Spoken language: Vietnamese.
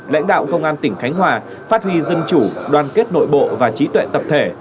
lãnh đạo công an tỉnh khánh hòa phát huy dân chủ đoàn kết nội bộ và trí tuệ tập thể